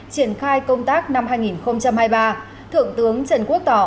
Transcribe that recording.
triển khai công tác năm hai nghìn hai mươi ba thượng tướng trần quốc tỏ